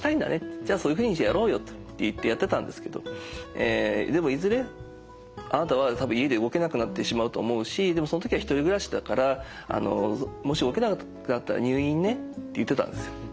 じゃあそういうふうにしてやろうよ」と言ってやってたんですけど「でもいずれあなたは多分家で動けなくなってしまうと思うしでもその時は１人暮らしだからもし動けなくなったら入院ね」って言ってたんですよ。